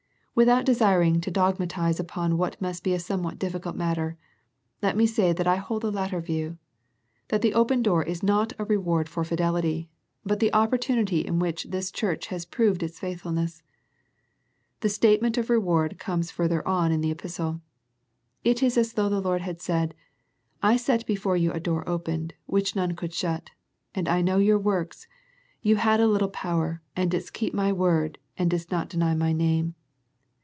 Without desiring to dogmatize upon what must be a somewhat difficult matter, let me say that I hold the latter view, that the open door is not a reward for fidelity, but the opportunity in which this church has proved its faithfulness. The statement of reward comes further on in the epistle. It is as though the Lord had said, I set before you a door opened, which none could shut, and I know your works, you had a little power, and didst keep My word, and didst not deny My name.